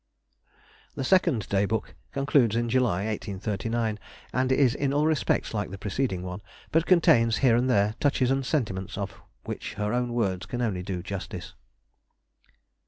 The second Day Book concludes in July, 1839, and is in all respects like the preceding one, but contains here and there touches and sentiments of which her own words can only do justice.